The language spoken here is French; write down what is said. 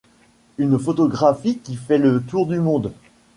Une photographie qui fait le tour du monde.